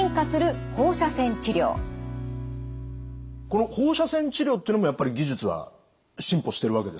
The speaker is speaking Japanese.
この放射線治療っていうのもやっぱり技術は進歩してるわけですか？